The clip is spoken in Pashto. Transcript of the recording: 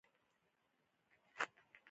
ایا ستاسو برکت به زیات نه شي؟